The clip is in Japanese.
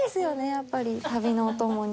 やっぱり旅のお供に。